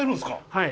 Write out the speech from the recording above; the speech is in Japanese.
はい。